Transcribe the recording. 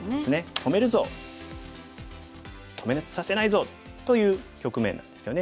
「止めさせないぞ」という局面なんですよね。